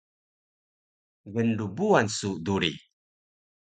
gnrbuwan su duri!